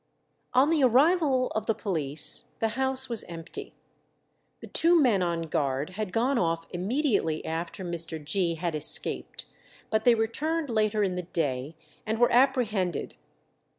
On the arrival of the police the house was empty. The two men on guard had gone off immediately after Mr. Gee had escaped, but they returned later in the day, and were apprehended.